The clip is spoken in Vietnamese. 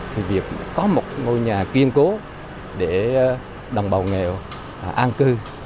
thì việc có một ngôi nhà kiên cố để đồng bào nghèo an cư